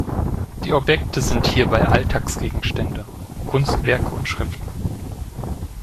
Die Objekte sind hierbei Alltagsgegenstände, Kunstwerke und Schriften.